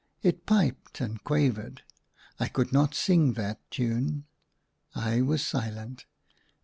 It piped and qua vered. I could not sing that tune. I was silent.